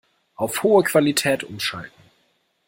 Auf hohe Qualität umschalten.